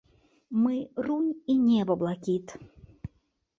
Мы, рунь і неба блакіт.